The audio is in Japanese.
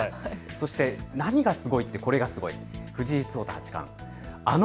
そして何がすごいってこれがすごい。